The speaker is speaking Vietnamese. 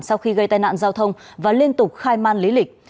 sau khi gây tai nạn giao thông và liên tục khai man lý lịch